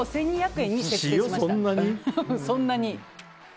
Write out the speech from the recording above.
塩、そんなに？